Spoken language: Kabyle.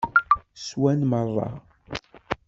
Swan merra.